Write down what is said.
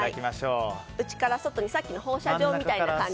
内から外に放射状みたいな感じ。